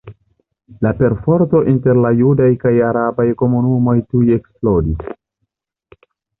La perforto inter la judaj kaj arabaj komunumoj tuj eksplodis.